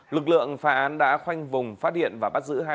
lực lượng phá án đã khoanh vùng phát hiện và bắt giữ hai đối tượng